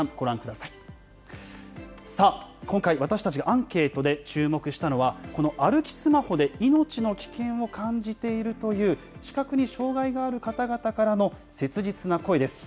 さあ、今回私たちがアンケートで注目したのは、この歩きスマホで、命の危険を感じているという、視覚に障害がある方々からの切実な声です。